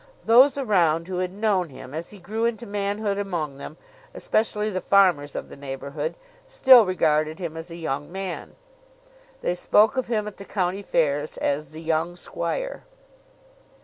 Those around who had known him as he grew into manhood among them, especially the farmers of the neighbourhood, still regarded him as a young man. They spoke of him at the country fairs as the young squire.